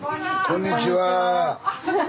こんにちは。